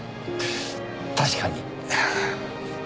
確かに。